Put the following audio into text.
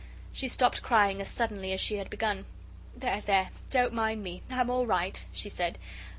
She stopped crying as suddenly as she had begun. "There, there, don't you mind me. I'M all right!" she said.